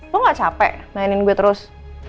gue gak capek mainin gue terus